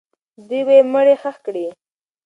دوی به یې مړی ښخ کړي.